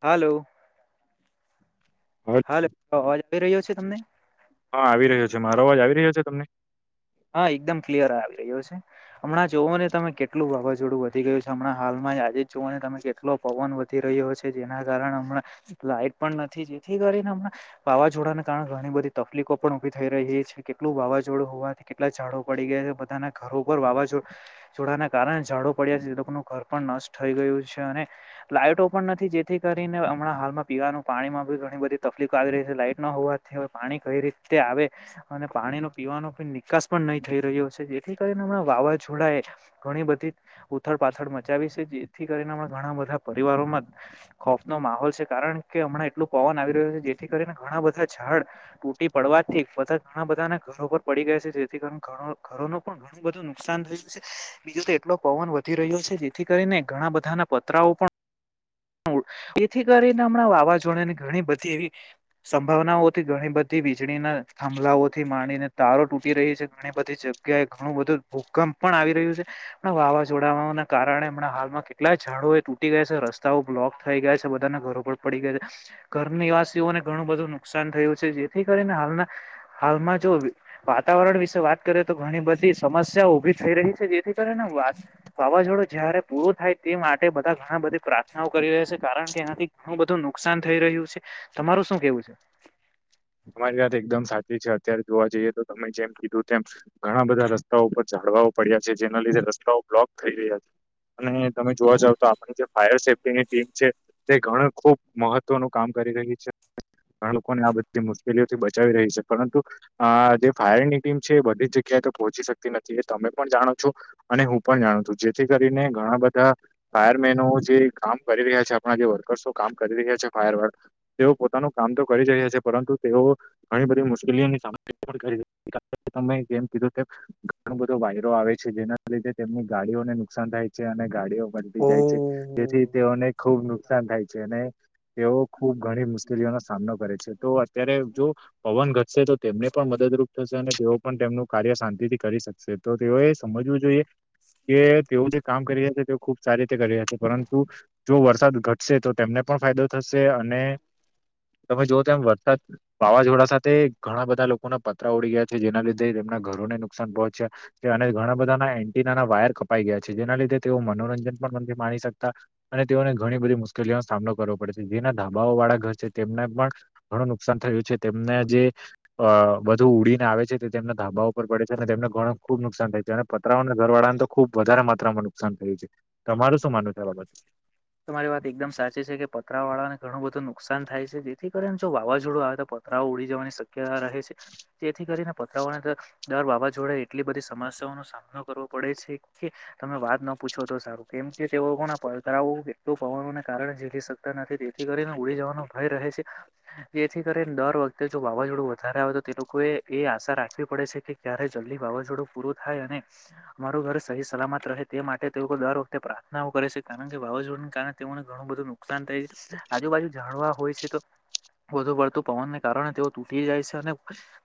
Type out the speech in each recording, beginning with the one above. હાલો. હ હાલો અવાજ આવી રહ્યો છે તમને હા આવી રહ્યો છે. મારો અવાજ આવી રહ્યો છે તમને? હા એકદમ ક્લિયર આવી રહ્યો છે. હમણાં જોવો ને તમે કેટલું વાવાઝોડું વધી ગયું છે હમણાં હાલ માં આજે જ જોવા તમે કેટલો પવન વધી રહ્યો છે. જેના કારણે હમણાં લાઈટ પણ નથી જેથી વાવાઝોડાને કારણે ઘણી બધી તકલીફો પણ ઉભી થઈ રહી છે કેટલું વાવાઝોડું હોવાથી કેટલા ઝાડુ પડી ગયા છે બધાના ઘરો ઉપર વાવાઝો ઝોડાડાના કારણે ઝાડો પડ્યા છે એ લોકોનું ઘર પણ નસ્ટ થઈ ગયું છે અને લાઈટો પણ નથી જેથી કરીને હમણાં હાલમાં પીવાનું પાણીમાંથી ઘણી બધી તકલીફો આવી રહી છે લાઈટ ન હોવાથી પાણી કઈ રીતે આવે અને પાણી ન પીવાનું પણ ની વિકાસ પણ નહી થઈ રહ્યો છે જેથી કરીને હમણાં વાવાઝોડા એ ઘણી બધી ઉથડ પાથળ મચાવી જેસથી જેથી કરીને ઘણા બધા પરિવારોમાં ખોફ નો માહોલ છે કારણ કે હમણાં એટલું પવન આવે આવી રહ્યો છે જેથી કરીને ઘણા બધા ઝાડ તૂટી પડવાથી ફતત ઘણા બધાને ઘરો પર પડી ગયા છે. જેથી કર ઘણું ઘરો નો પણ ઘણુ નુકસાન થયું છે બીજું એટલો પવન વધી રહ્યો છે જેથી કરીને ઘણા બધાના પતરાઓ પણ તું એથી કરીને હમણાં વાવાઝોડાની ઘણી બધી એવી સંભાવનાઓથી ઘણી બધી વીજળીના થભલાઓ થી માનીને તારો તૂટી રહી છે ઘણી બધી જગ્યાએ ઘણું બધું ભૂકંપ પણ આવી રહ્યું છે પણ વાવાઝોડાઓના કારણે હમણાં હાલમાં કેટલા ઝડો એ તૂટી ગયા છે રસ રસ્તા બ્લોક થઈ ગયા છે બધાના ઘરો પર પડી ગયા છે. ઘર નિવાસીઓને ઘણું બધું નુકસાન થયું છે જે જેથી કરીને હાલના હાલમાં જો વાતાવરણ વિશે વાત કરીએ તો ઘણી બધી સમસ્યાઓ ઉભી થઈ રહી છે. જેથી કરે ને વાત વાવાઝોડું જયારે પૂરું થાય તે માટે બધા ઘણા બધી પ્રા કરી રહ્યા છે કારણ કે એનાથી ઘણું બધું નુકસાન થઈ રહ્યું છે તમારું શું કેવું છે. [inaudible] તમારી વાત એકદમ સાચી છે અત્યારે જોવા જઈએ તો તમે જેમ કીધું તેમ ઘણા બધા રસ્તાઓ ઉપર ચડો પડ્યા છે જેના લીધે રસ્તાઓ બ્લોક થઈ રહ્યા છે. અને તમે જોવા જાવ તો આપણી જે ફાયર સેફ્ટીની ટીમ છે તે ઘણ ખુબ મહત્વનું કામ કર રહી છે બા લોકોકોને આ બધા જે મુશ્કેલીઓથી બચાવી રહી છે પરંતુ જે ફાયરની ટીમ છે એ બધી જગ્યા તો પહોંચી શકતી નથી એ તમે પણ જાણો છો અને હું પણ જાણું છું જેથી કરીને ઘણા બધા ફાયરમેનો જે કામ કરી રહ્યા છે આપણા જે વર્કર્સો કામ કરી રહ્યા છે ફાયર વર્ગ તેઓ પોતાનું કામ તો કરી રહ્યા છે પરંતુ તેઓ ઘણી બધી મુશ્કેલીઓની સામના પણ કરી તમે જેમ કીધું કે ઘણો બધો વાયરો આવે છે જેના લીધે તેમની ગાડીઓને નુકસાન થાય છે અને ગાડીઓ મતી જાય છે જેથી ઓ. તેઓને ખુબ નુકસાન થાય છે અને તેઓ ખુબ ઘણી મુશ્કેલીઓનો સામનો કરે છે તો અત્યારે જો પવન ઘટશે તો તેમને પણ મદદરૂપ થશે અને તેઓ પણ તેમનું કાર્ય શાંતિ થી કરી શકે તો તેઓ એ સમજવું જોઈએ કે તેઓ જે કામ કરી રહ્યા છે તે ખુબ સારી કરી છે પરંતુ જો વરસાદ ઘટશે તો તેમને પણ ફાયદો થશે અને તમે જો તમે એ વાવાઝોડા સાથે ઘણા બધા લોકોના પતરા ઉડી ગયા છે જેના લીધે તેમના ઘરોને નુકસાન પહોંચ્યા ઘણા બધા ના એન્ટિના વાયર કપાઈ ગયા છે જેના લીધે તેઓ મનોરંજન પણ નથી માણી શકતા અને તેઓને ઘણી બધી મુશ્કેલીઓનો સામનો કરવો પડે છે જેના ધાબાઓ વાળા ઘર છે તેમને પણ ઘણું નુકસાન થયું છે તેમને જે અ બધું ઉડીને આવે છે તે તેમના ધાબા ઉપર પડે છે અને તેમને ઘણું ખુબ નુકસાન થાય છે પતરાને ઘરવાળા ને તો ખુબ વધારે માા માં નુકસાન થયું છે તમારું શું માનવું છે આ બાબત તમારી વાત એકદમ સાચી છે કે પતરા વાળાને ઘણું બધું નુકસાન થાય છે જેથી કરીને જો વાવાઝોડું આવે તો પતરાઓ ઉડી જવાની શક્યતા રહે છે તેથી કરીને પત્ર દર વાવાઝોડે એટલી બધી સમસ્યાઓ નો સામનો કરવો પડે છે કે તમે વાત ન પૂછો બ સારું કેમ કે તેઓ લોકોના પરાવું પવનોને કારણે જીલી શકતા નથી તેથી કરીને ઉડી જવાનું ભય રહે છે જેથી કરીને દર વખતે જો વાવાઝોડું વધારે આવે તો તે લોકો એ આશા રાખવી ડે છે કે ક્યારે જલ્દી વાવાઝોડું પૂરું થાય અને અમારું ઘર સહી સલામત રહે તે માટે તે દર વખતે પ્રાર્થનાઓ કરે છે કારણ કે વાવાઝોડા કારણે તેઓને ઘણું બધું નુકસાન થાય છે આજુબાજુ જાણ ન છે તો વધુ પડતું પવનને કારણે તેઓ તૂટી જાય છે અને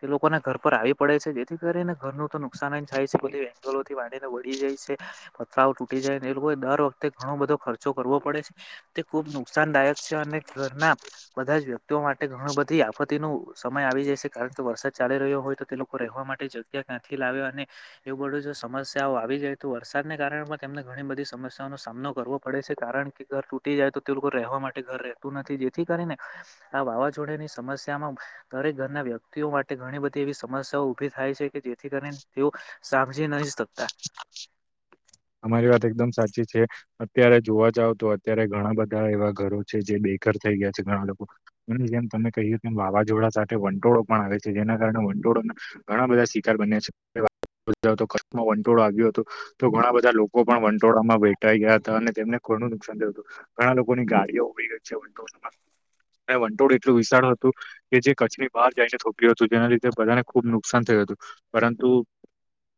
તે લોકોના ઘર પર આવી પડે છે જેથી કરીને ઘરનું તો નુકસાન જ થાય છે ભ વંગલો થી બાડીને વળી જાય છે ફાવ તૂટી જાય એ લોકો દર વખતે ઘણો બધો ખર્ચો કરવો પડે છે તે ખુબ નુકસાનદાયક છે અને ઘરના બધા જ વ્યક્તિઓ માટે ઘણું બધી આફતી ન સમય આવી જાય છે કારણ કે વરસાદ ચાલી રહ્યો હોય તો તે લોકો રહેવા માટે જગ્યા ક્યાંથી લાવે અને એવું બધું જો સમસ્યાઓ આવી જાય તો વરસાદને કારમાં તેમને ઘણી બધી સમસ્યાઓ નનો સામનો કરવો પડે છે કારણ કે ઘર તૂટી જાય તો તે લોકો રહેવા માટે ઘર રહે નથી જેથી કરીને આ વાવાઝોડની સમસ્યામાં દરેક ઘરના વ્યક્તિઓ માટે ઘણી બધી એવી સમસ્યાઓ ઉભી થાય છે કે જેથી કરીને તેઓ સાજી નહી શકતા અમારી વાત એકદમ સાચી છે અત્યારે જોવા જાવ તો અત્યારે ઘણા બધા એવા ઘરો છે જે બે થ ગયા છે ઘણા લોકો અને જેમ તમે કહી વાવાઝોડા સાથે વંટોળો પણ આવે છે જેના કારણે ઘણા બધા શિકાર બન્યા છે વંટોળો આવ્યો હતો ઘણા લોકો પણ વન વંટોળમાં બેઠા ગયા હતા અને તેમને ખોણું નુકસાન થયું હતું ઘણા લોકોની ગાડીઓ ઉભી ગઈ છે વંટોળમાં વંટોળ એટલું વિસ્તાર હતું કે જે કચ્છની બહાર જઈને થોપ્યું હતું જેના લીધે તે બધાને ખુબ નુકસાન થયું હતું પરંતુ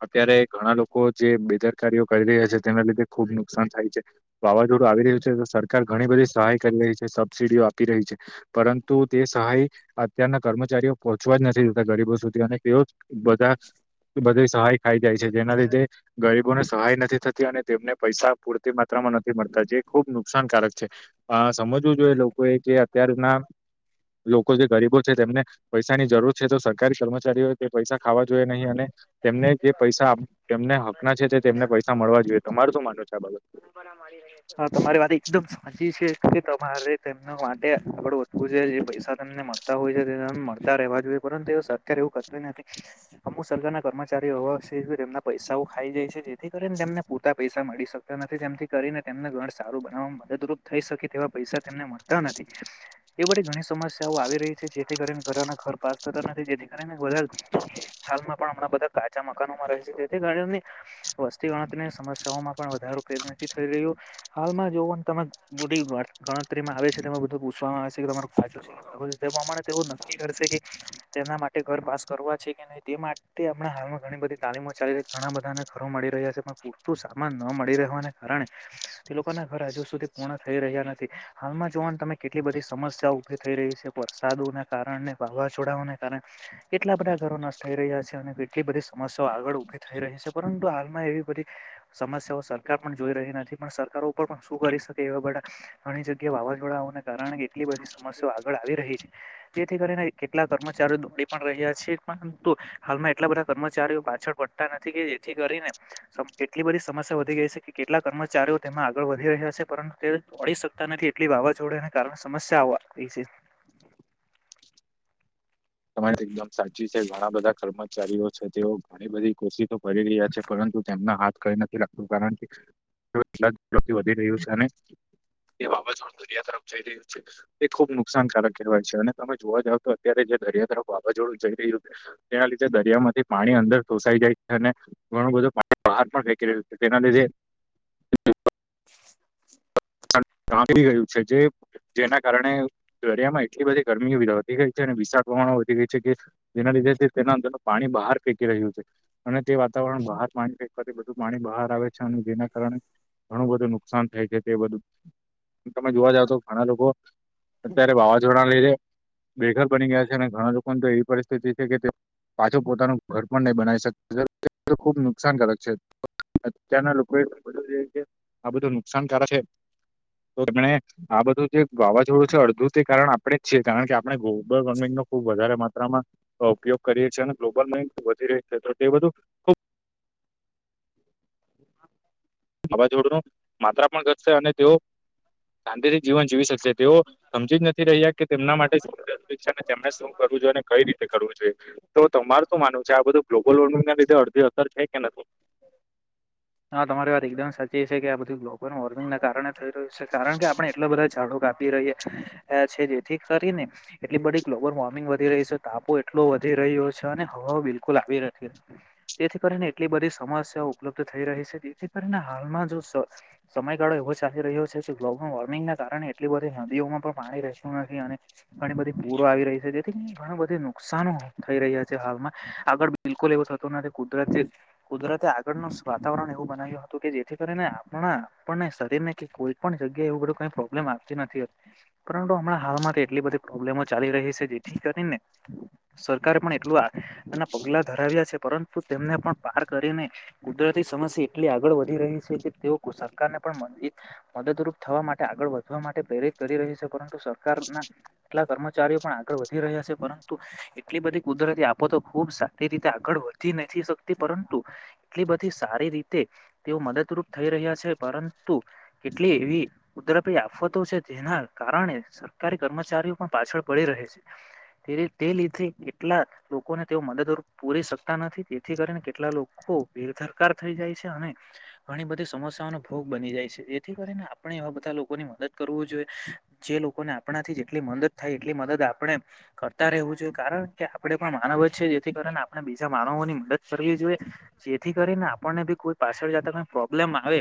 અત્યારે ઘણા લોકો જે બેદરકારીઓ કરી રહ્યા છે તેના લીધે ખુબ નુકસાન થાય છે વાવાઝોડું આવી રહ્યું છે તો સરકાર ઘણી બધી સહાય કરી રહી છે સબસિડીઓ આપી રહી છે પરંતુ તે સહાય અત્યારના કર્મચારીઓ પહોંચવા જ નથી જતા ગરીબ સુધી અને તેઓ બધા બધી સહાય ખાઈ જાય છે જેના લીધે ગરીબોને સહાય નથી થતી અને તેમને પૈસા પૂરતી માત્રામાં નથી મળતા જે ખુબ નુકસાનકારક છે સમજવું જોઈએ લોકો એ જે અત્યાર ના લોકો જે ગરીબો છે તેમને પૈસાની જરૂર છે તો સરકારી કર્મચારીઓ તે પૈસા ખાવા જોઈએ નહીં અને તેમને જે પૈસા તેમને હક ના છે તેમને પૈસા મળવા જોઈએ તમારું શું માનવું છે આ બાબત તમારી વાત એકદમ સાચી છે તમારે તેમના માટે આગડ વધતું છે જે પૈસા તને મળતા હોય છે તે મળતા રહેવા જોઈએ પરંતુ એ સરકાર એવું કરત નથીમુ સરકારના કર્મચારીઓ એવા છે તેમના પૈસાઓ ખાઈ જાય છે જેથી કરીને તેમને પરતા પૈસા મળી શકતા નથી કરીનેને ઘ સારું બનાવામાં મદદરૂપ થઈ શકે તેવા પૈસા તેમને મળતા નથી એ બ ઘણી સમસ્યાઓ આવી રહી છે જેથી કરીને ઘરના ઘર પાસ થતા નથી જેથી કરી બધા હાલમાં પણ હમણાં બધા કાચા મકાનોમાં રહે છે જેથીની વસ્તી ગણતરીની સમસ્યાઓમાં પણ વધરો થઈ રહ્યો હાલમાં જો ત મોટી ગણતરીમાં આવે છે તે બધું પૂછવામાં આવે છે ચ છે તે પ્રમાણે તે નક્કી કરશે કે તેના માટે ઘર પાસ કરવા છે કે ન તે માટે આપણા હાલમાં ઘણી બધી તાલીમો ચાલી રહી ઘણા બધાને ઘરો મળી રહ્યા છે પણ પૂરતું સામાન ન મળી રહે ઘર હજુ સુધી પૂર્ થઈ રહ્યા નથી હાલમાં જોવાનું તમે કેટલી બધી સમ સમ્યા ઉભી થઈ રહી છે વરસાદોના કારણે વાવાઝોડાને કારણે કેટલા બધા ઘરોના થઈ રહ્યા છે અને કેટલી બધી સમસ્યાઓ આગળ ઉભી થઈ રહી છે પરંતુ હાલમાં એવી બધી સમસ્યાઓ સરકાર પણ જોઈ રહી નથી. પણ સરકાર ઉપર પણ શું કરી શકે, એવા બધા ઘણી જગ્યાએ વાવાઝોડાઓને કારણે કે બધી સમસ્યાઓ આગળ આવી રહી છે, જેથી કરીને કેટલા કર્મચારીઓ દોડી પણ રહ્યા છે, પણ તુ હાલમાં એટલા બધા કર્મચારીઓ પાછળ પડતા નથી, કે જેથી કરીને સ એટલી બધી સમસ્યા વધી ગઇ છે કે કેટલા કર્મચારીઓ તેમાં આગળ વધી રહ્યા છે, પરંતુ તે દોડી શકતા નથી, એટલી વાવાઝોડાને કારણે સમ [unintelligible] એ છે. તમારી વાત એકદમ સાચી છે, ઘણા બધા કર્મચારીઓ છે, તેઓ ઘણી બધી કોશિશો કરી રહ્યા છે, પરંતુ તેમના હાથ કંઈ નથી લાગતું, કારણ કે [unintelligible] ઝડપથી વધી રહ્યું છે, અને એ વાવાઝોડું દરિયા તરફ જઈ રહ્યું છે. એ ખુબ નુકસાનકારક કહેવાય છે. અને તમે જોવા જાવ તો અત્યારે જે દરિયા તરફ વાવાઝોડું જઈ રહ્યું છે. તેના લીધે દરિયામાંથી પાણી અંદર સોસાઈ જાય છે, અને ઘણું બધુ પા બહાર પણ ફેંકી રહ્યુ છે, તેના લીધે [unintelligible] ગયું છે, જે જેના કારણે દરિયામાં એટલી બધી ગરમી વધી ગઈ છે, અને વિશાળ પ્રમાણમાં વધી ગઈ છે, કે જેના લીધે તેના અંદર પાણી બહાર ફેંકી રહ્યું છે. અને તે વાતાવરણ બહાર પાણી ફેંકવાથી, બધું પાણી બહાર આવે છે, અને જેના કારણે ઘણું બધું નુકસાન થાય છે. એ બધું. તમે જોવા જાવ તો ઘણા લોકો અત્યારે વાવાઝોડાના લીધે બેઘર બની ગયા છે, અને ઘણા લોકોન તો એવી પરિસ્થિતિ છે, કે તે પાછું પોતાનું ઘર પણ નહીં બનાવી શકે. [unintelligible] ખૂબ નુકસાનકારક છે. અત્યારના લોકો એ ખ કે આ બધું નુકસાન જાતું છે, તો એમણે આ બધું જે વાવાઝોડું છે અડધું, તે કારણ આપડે છીએ કારણ કે આપણે ગ્લોબલ વોર્મિંગનો ખુબ વધારે માત્રામાં ઉપયોગ કરીએ છીએ, અને ગ્લોબલ વોર્મિંગ ખૂબ વધી રહી છે. તો તે બધું ખૂબ હ વાવાઝોડુંનું માત્રા પણ ઘટશે, અને તેઓ સાંતીથી જીવન જીવી શકશે. તેઓ સમજી જ નથી રહ્યા, કે તેમના માટે [unintelligible] તેમને શું કરવું જોઈએ અને કઈ રીતે કરવું જોઈએ. તો તમાર શું માનવું છે, આ બધું ગ્લોબલ વોર્મિંગના લીધે અડધી અસર થઈ? હા, તમારી વાત એકદમ સાચી છે કે આ બધું ગ્લોબલ વોર્મિંગના કારણે થઈ રહ્યું છે. કારણ કે આપણે એટલા બધા ઝાડો કાપી રહ્યા અ છે, જેથી કરીને એટલી બધી ગ્લોબલ વોર્મિંગ વધી રહી છે, તાપ હો એટલો વધી રહ્યો છે, અને હવા બિલકુલ આવી નથી, તેથી કરી ને એટલી બધી સમસ્યાઓ ઉપલબ્ધ થઈ રહી છે. જેથી કરીને હાલમાં જો સ સમયગાળો એવો ચાલી રહ્યો છે [unintelligible] ગ્લોબલ વોર્મિંગના કારણે એટલી બધી નદીઓમાં પણ પાણી રહેતું નથી, અને ઘણી બધી પૂરો આવી રહી છે. જેથી કરીને ઘણા બધુ નુકસાનો થઈ રહ્યા છે હાલમાં આગળ બિલકુલ એવું થતું નથી કુદરત જે કુદરતે આગળનું સ વાતાવરણ એવું બનાવ્યું હતું કે જેથી કરીને આપણા આપણને શરીરને કે કોઈ પણ જગ્યાએ એવુ બધુ કંઈ પ્રોબ્લેમ આવતી નથી પરંતુ હમણા હાલમાં તો એટલી બધી પ્રોબ્લેમો ચાલી રહી છે જેથી કરીને સરકારે પણ એટલુ આ એના પગલા ધરાવ્યા છે, પરંતુ તેમને પણ બહાર કરીને, કુદરતી સમસ્યા એટલી આગળ વધી રહી છે કે, તેઓ સરકારને પણ મ દદરૂપ થવા માટે આગળ વધવા માટે પ્રેરિત કરી રહી છે, પરંતુ સરકારના કેટલા કર્મચારીઓ પણ આગળ વધી રહ્યા છે, પરંતુ એટલી બધી કુદરતી આફતો ખુબ સારી રીતે આગળ વધી નથી સ કતી પરંતુ એટલી બધી સારી રીતે તેઓ મદદરૂપ થઈ રહ્યા છે પરંતુ કેટલી એવી કુદરતી આફતો છે જેના કારણે સરકારી કર્મચારીઓ પણ પાછળ પડી રહે તે લીધે કેટલા લોકોને તેઓ મદદરૂ પૂરી શકતા નથી થી કરીને કેટલા લોકો બેેધરકાર થઈ જાય છે અને ઘણી બધી સમસ્યાઓનો ભોગ બની જાય છે. જેથી કરીને આપણે એવા બધા લોકોની મદદ કરવું જોઈએ જે લોકોને આપણા થી જેટલી મદદ થાય એટલી મ દદ આપણે કરતા રહેવું જોઈએ કારણ કે આપડે પણ માનવ જ છે જેથી કારણે આપણે બીજા માનવોની મદદ કરવી જોઈએ જેથી કરીને આપણને ભી કોઈ પાછળ જતા કઈ પ્રોબ્લેમ આવે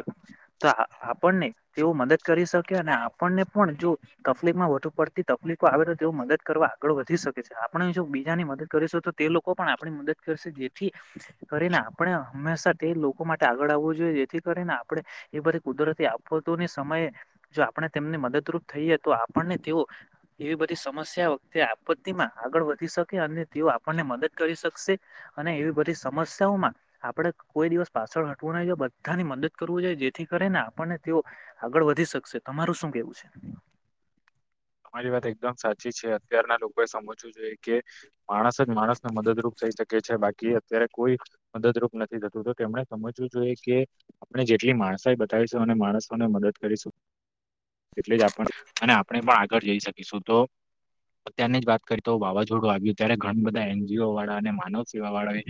તો આ આપને તેઓ મદદ કરી શકે અને આપણને પણ જો તકલીફ માં વધુ પડતી તકલીફો આવે તો તે મદદ કરવા આગળ વધી શકે છે આપણે જો બીજાની મદદ કરીશું તો તે લોકો પણ આપણી મદદ કરશે જેથી કરીને આપણે હંમેશા તે લોકો માટે આગળ આવવું જોઈએ જેથી કરીને આપડે એ બધી કુદર તી આપતોની સમયે જો આપણે તેમને મદદરૂપ થઈએ તો આપણને તેઓ એવી બધી સ મસ્યા વખતે આપત્તિમાં આગળ વધી શકે અને તેઓ આપણને મદદ કરી શકશે અને એવી બધી સમસ્યાઓમાં આપડે કોઈ દિવસ પાછળ હટવું નાહી જોઈએ બધાની મદદ કરવું જોઈએ જેથી કરીને આ પણને તેઓ આગળ વધી શકશે તમારું શું કેવું છે? તમારી વાત એકદમ સાચી છે અત્યારના લોકોએ સમજવું જોઈએ કે માણસ જ માણસને મદદરૂપ થઇ શકે છે બાકી અત્યારે કોઈ મદદરૂપ નથી થતું તેમણે સમજવું જોઈએ કે આપણે જે ટલી માણસાઈ બતાવીશું અને માણસોને મદદ કરીશું એટલે જ આપ અને આપણે પણ આ ગળ જઈ શકીશું તો અત્યારની જ વાત કરી તો વાવાઝોડું આવ્યું ત્યારે ઘણા બધા એન જી ઓ વાળા અને માનવ સેવા વાળા એ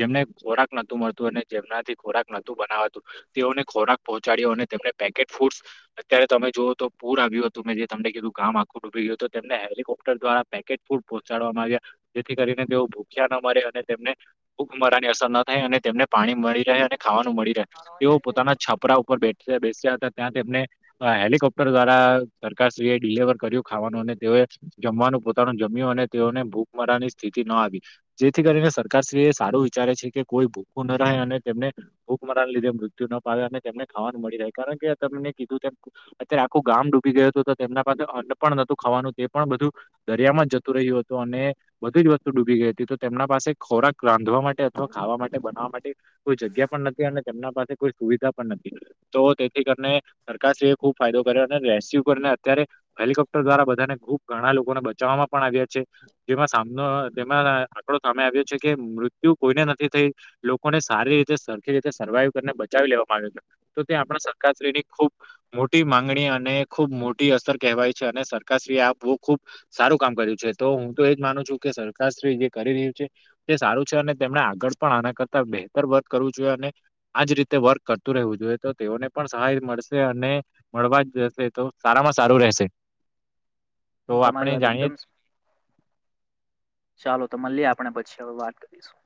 જેમને ખોરાક નોતું મળતું અને જેમનાથી ખોરાક નોતું બનાવાતું તેઓને ખોરાક પહોંચાડ્યો અને તે મને કેપેટ ફૂડ્સ અત્યારે તમે જુઓ તો પૂર આવ્યું હતું મેં જે તમને કીધું ગામ આખુ ડૂબી ગયું તેમને હેલિકોપ્ટર દ્વારા પેકેટ ફૂડ પહોંચાડવામાં આવ્યા જેથી કરીને તેઓ ભૂખ્યા ના તમારે અને તેમને ભૂખમરાની અસર ના થાય અને તેમને પાણી મળી તે હેને ખાવાનું મળી રહે તેઓ પોતાના છપરા ઉપર બે બેસ્યા હતા ત્યાં તેમનેે અ હેળી કપટર દ્વારા સરકાર ડિલવર કર્યું ખાવાનું અને તે જમવાનું પોતાનું જમ્યું અને તેઓને ભૂખ મરાની સ્થિતિ ના આવી જેથી કરીને સરકારશ્રી એ સારું વિચારે છે કે કોઈ ભૂખું ન રહે અને તેમને ભૂખ મરાને લીધે મૃત્યુ જૂનો પાયાને અને તેમને ખવાનું મળી રહે કારણ કે તમેં મને કીધું અત્યારે આખું ગામ ડૂબી ગય હતું ત તેમના પાસે અન્ન પણ નતું ખાવાનું તે પણ બધું દરિયામાં જતું રહ્યું હતું અને બધી જ વસ્તુ ડૂબી ગઈ હતી તો તેમના પાસે ખોરાક રાંધવા માટે અથવા ખાવા માટે બનાવવા માટે કોઈ જગ્યા પણ નથી અને તેમના પા સે કોઈ સુવિધા પણ નથી તો તેથી કરીને સરકાર શ્રી ખુબ ફાયદો કર્યો અને રેસ્યુ કરીને ત્યારે હેલિકોપ્ટર દ્વારા બધાને ખુબ ઘણા લોકોને બચવામાં પણ આવ્યા છે જેમાં સામનો જેમા આંકડો સામે આવ્યો છે કે મૃત્યુ કોઈને નથી થઈ લોકોને સારી રીતે સરખી રીતે સર્વાઈવ ક ને બચાવી લેવામાં આવ્યું તું તો ત્યા આપડા સરકારશ્રીની ખૂબ મોટી માંગણી અને ખૂબ મો ઈ અસર કહેવાય છે અને સરકારશ્રી આ બહુ ખુબ સારું કામ કર્યું છે તો હું તો એજ માનું છું કે સરકાર જે રીતે કરી રહ્યું છે તે સારું છે અને તેમને આગળ પણ આના કરતા બેહેતર વર્ક કરવું જોઈએ અને આજ રીતે વર્ક કરતું રહેવું જોઈએ તો તેઓને પણ સહાય મળશે અને મળવા જ જશે તો સારામાં સારું રહેશે તો તમારી આપણે વાત જાણીએ એકદમ ચાલો તો મલીયે આ પણે પછી હવે વાત કરીશું